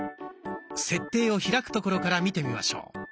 「設定」を開くところから見てみましょう。